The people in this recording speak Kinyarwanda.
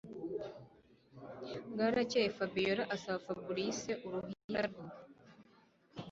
Bwarakeye Fabiora asaba Fabric uruhisa rwo